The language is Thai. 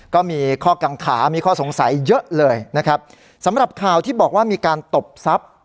ก็มีข้อกังขามีข้อสงสัยเยอะเลยนะครับสำหรับข่าวที่บอกว่ามีการตบทรัพย์